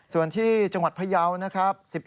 ส่วนที่จังหวัดพยาวนะครับ